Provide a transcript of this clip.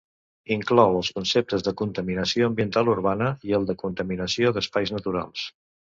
Inclou els conceptes de contaminació ambiental urbana i el de contaminació d'espais naturals.